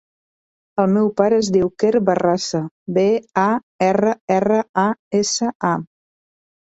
El meu pare es diu Quer Barrasa: be, a, erra, erra, a, essa, a.